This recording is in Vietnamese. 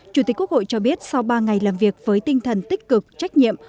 chủ tịch quốc hội cho biết sau ba ngày làm việc với tinh thần tích cực trách nhiệm